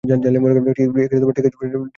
ঠিক আছে বলছি।